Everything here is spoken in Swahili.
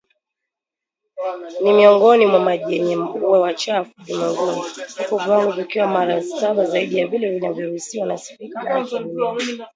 Ni miongoni mwa miji yenye hewa chafu ulimwenguni, huku viwango vikiwa mara saba zaidi ya vile vinavyoruhusiwa na shirika la afya duniani.